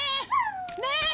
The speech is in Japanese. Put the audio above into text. ねえ！